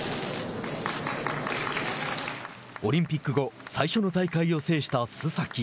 オリンピック後最初の大会を制した須崎。